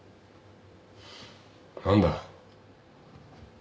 何だ。